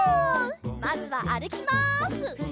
まずはあるきます！